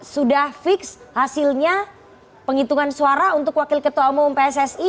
sudah fix hasilnya penghitungan suara untuk wakil ketua umum pssi